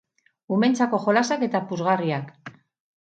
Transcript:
Umeentzako jolasak eta puzgarriak.